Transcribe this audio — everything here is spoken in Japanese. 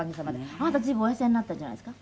あなた随分お痩せになったんじゃないですか？